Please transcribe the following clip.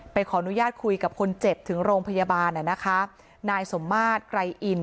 ขออนุญาตคุยกับคนเจ็บถึงโรงพยาบาลอ่ะนะคะนายสมมาตรไกรอิน